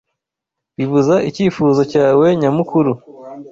bibuza icyifuzo cyawe nyamukuru.